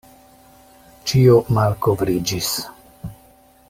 Ĉio malkovriĝis!